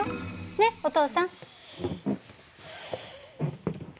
ねえお父さん。